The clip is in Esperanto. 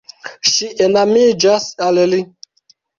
Ŝi enamiĝas al li.